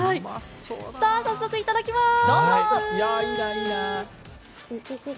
早速いただきます！